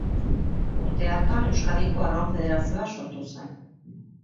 Urte hartan Euskadiko Arraun Federazioa sortu zen.